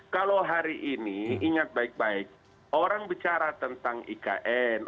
kalau hari ini ingat baik baik orang bicara tentang ikn